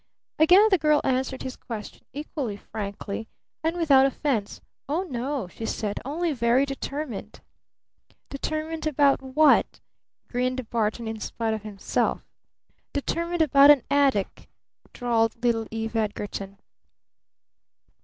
Again the girl answered his question equally frankly, and without offense. "Oh, no," she said. "Only very determined." "Determined about what?" grinned Barton in spite of himself. "Determined about an attic," drawled little Eve Edgarton.